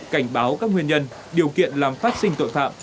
cảnh báo các nguyên nhân điều kiện làm phát sinh tội phạm